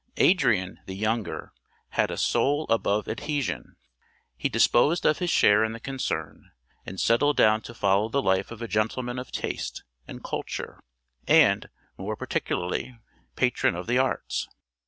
Adrian, the younger, had a soul above adhesion. He disposed of his share in the concern and settled down to follow the life of a gentleman of taste and culture and (more particularly) patron of the arts.